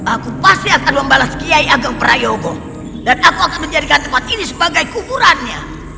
aku pasti akan membalas kiai agung prayogo dan aku akan menjadikan tempat ini sebagai kuburannya